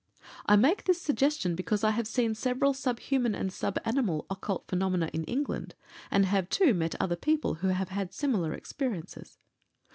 I make this suggestion because I have seen several sub human and sub animal occult phenomena in England, and have, too, met other people who have had similar experiences.